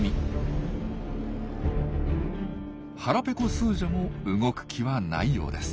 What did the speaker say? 腹ペコスージャも動く気はないようです。